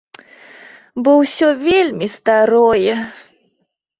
Бо ўсё вельмі старое.